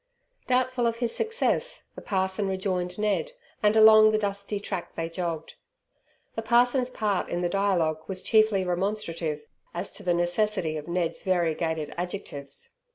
Doubtful of his success, the parson rejoined Ned, and along the dusty track they jogged. The parson's part in the dialogue was chiefly remonstrative as to the necessity of Ned's variegated adjectives.